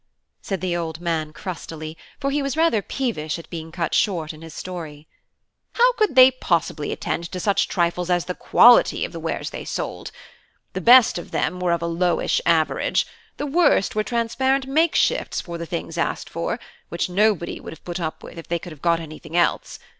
said the old man crustily, for he was rather peevish at being cut short in his story; "how could they possibly attend to such trifles as the quality of the wares they sold? The best of them were of a lowish average, the worst were transparent make shifts for the things asked for, which nobody would have put up with if they could have got anything else.